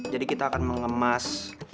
jadi kita akan mengemas